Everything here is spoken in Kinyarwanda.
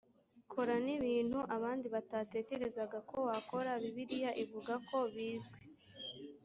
kora n ibintu abandi batatekerezaga ko wakora bibiliya ivuga ko bizwi